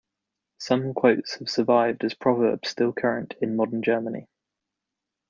Some quotes have survived as proverbs still current in Modern German.